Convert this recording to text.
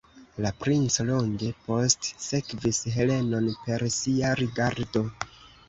La princo longe postsekvis Helenon per sia rigardo.